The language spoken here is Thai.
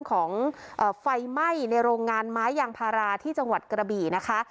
ของไฟไหม้ในโรงงานไม้ยางพาราที่จังหวัดกระบี่นะคะ